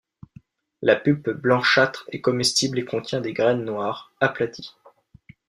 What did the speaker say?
La pulpe blanchâtre est comestible et contient des graines noires, aplaties.